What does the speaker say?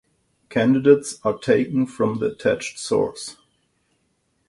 Candidates are taken from the attached source.